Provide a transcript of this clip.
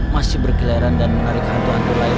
masih berkeliaran dan menarik hantu hantu lain